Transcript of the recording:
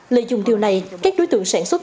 lợi dụng tiêu này các đối tượng sản xuất